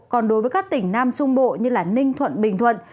còn đối với các tỉnh nam trung bộ như ninh thuận bình thuận